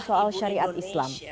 pemimpin syariat islam